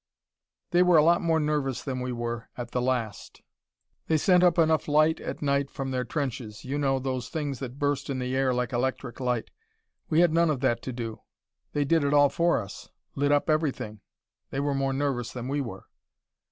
"They were a lot more nervous than we were, at the last. They sent up enough light at night from their trenches you know, those things that burst in the air like electric light we had none of that to do they did it all for us lit up everything. They were more nervous than we were...."